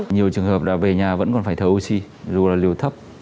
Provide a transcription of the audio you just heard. nhiều trường hợp là về nhà vẫn còn phải thở oxy dù là liều thấp